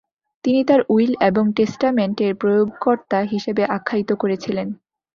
তিনি তার উইল এবং টেস্টামেন্ট এর প্রয়োগকর্তা হিসেবে আখ্যায়িত করেছিলেন।